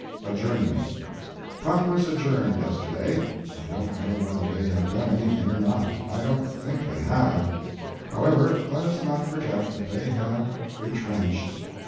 Adjournment. Congress adjourned yesterday. I don't know whether they have done anything or not. I don't think they have. However, let us not forget that they have "retrenched."